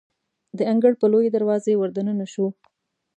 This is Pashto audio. د انګړ په لویې دروازې وردننه شوو.